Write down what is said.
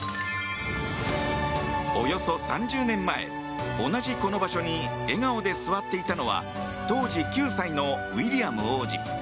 およそ３０年前、同じこの場所に笑顔で座っていたのは当時９歳のウィリアム王子。